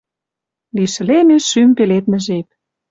Лишӹлемӹн шӱм пеледмӹ жеп.